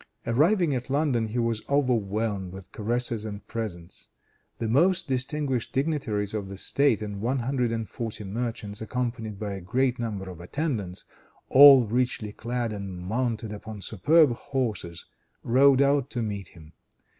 Arriving at London, he was overwhelmed with caresses and presents. The most distinguished dignitaries of the State and one hundred and forty merchants, accompanied by a great number of attendants, all richly clad and mounted upon superb horses, rode out to meet him.